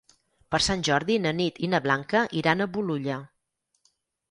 Per Sant Jordi na Nit i na Blanca iran a Bolulla.